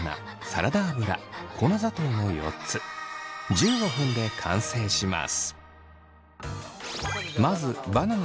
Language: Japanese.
１５分で完成します。